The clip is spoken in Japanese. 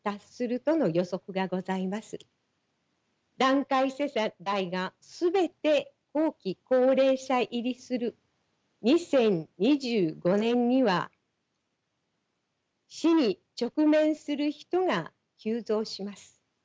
団塊世代が全て後期高齢者入りする２０２５年には死に直面する人が急増します。